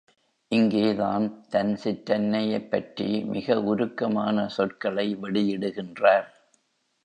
இங்கேதான் தன் சிற்றன்னையைப் பற்றி மிக உருக்கமான சொற்களை வெளியிடுகின்றார்.